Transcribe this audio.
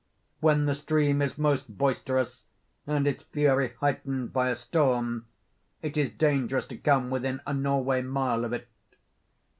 When the stream is most boisterous, and its fury heightened by a storm, it is dangerous to come within a Norway mile of it.